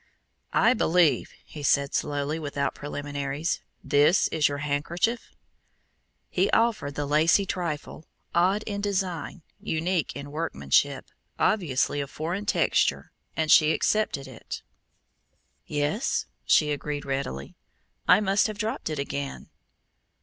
"I believe," he said slowly, without preliminaries, "this is your handkerchief?" He offered the lacy trifle, odd in design, unique in workmanship, obviously of foreign texture, and she accepted it. "Yes," she agreed readily, "I must have dropped it again."